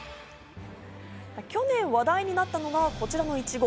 去年話題になったのは、こちらのいちご。